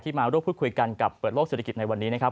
มาร่วมพูดคุยกันกับเปิดโลกเศรษฐกิจในวันนี้นะครับ